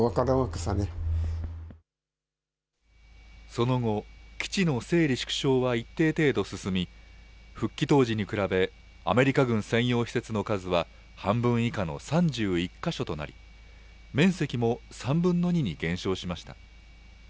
その後、基地の整理・縮小は一定程度進み、復帰当時に比べ、アメリカ軍専用施設の数は、半分以下の３１か所となり、面積も３分の２に減少しました。